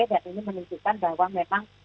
dan ini menunjukkan bahwa memang